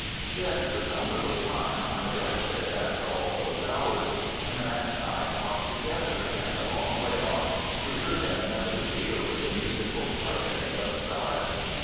Then for some little time I rested after all those hours; and the man and I talked together, and a long way off we heard in another field the musical sharpening of a scythe.